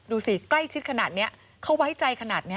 ดูสิใกล้ชิดขนาดนี้เขาไว้ใจขนาดนี้